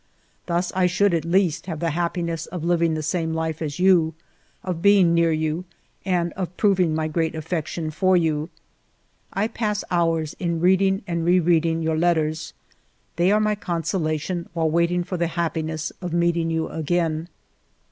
Thus I should at least have the happiness of living the same life as you, of being near you and of proving my great affection for you. " I pass hours in reading and re reading your letters ; they are my consolation while waiting for the happiness of meeting you again.